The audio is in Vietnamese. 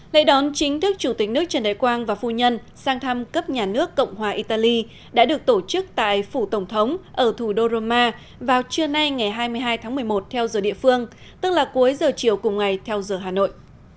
lễ đón chính thức chủ tịch nước trần đại quang và phu nhân sang thăm cấp nhà nước cộng hòa italy đã được tổ chức tại phủ tổng thống ở thủ đô roma vào trưa nay ngày hai mươi hai tháng một mươi một theo giờ địa phương tức là cuối giờ chiều cùng ngày theo giờ hà nội